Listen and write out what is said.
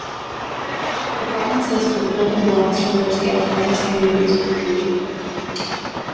The provinces were the "building-blocks" from which the autonomous communities were created.